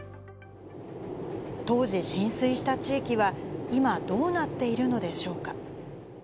当時、浸水した地域は今、どうなっているのでしょうか。